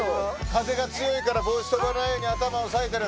風が強いから帽子飛ばないように頭押さえてる。